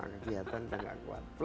kegiatan gak kuat